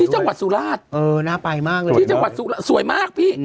จังหวัดสุราชเออน่าไปมากเลยที่จังหวัดสุราชสวยมากพี่